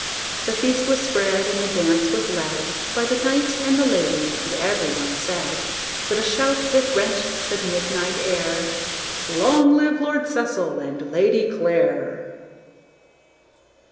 The feast was spread, And the dance was led By the knight and the lady, and every one said, With a shout that rent the midnight air, "Long live Lord Cecil and Lady Clare!"